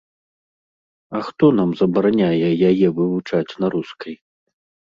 А хто нам забараняе яе вывучаць на рускай?